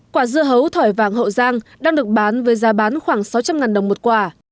quả dưa hấu thỏi vàng hậu giang đang được bán với giá bán khoảng sáu trăm linh đồng một quả